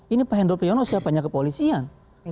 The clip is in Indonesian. ini pak hendro priyono siapanya kepolisian